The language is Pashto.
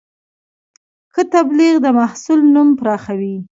ښه تبلیغ د محصول نوم پراخوي.